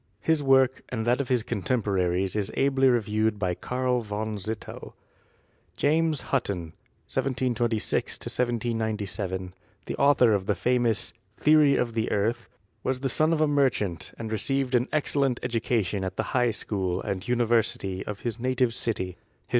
His work and that of his contemporaries is ably reviewed by Karl von Zittell. James Hutton (1726 1797), the author of the famous "Theory of the Earth," was the son of a merchant and received an excellent education at the High School and University of his native city.